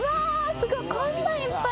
すごいこんないっぱい。